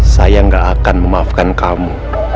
saya gak akan memaafkan kamu